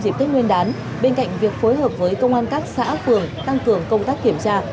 dịp tết nguyên đán bên cạnh việc phối hợp với công an các xã phường tăng cường công tác kiểm tra